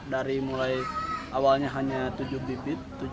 dari mulai awalnya hanya tujuh bibit